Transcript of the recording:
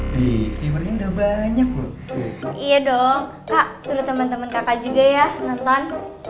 di timurnya banyak iya dong kak suruh teman teman kakak juga ya nonton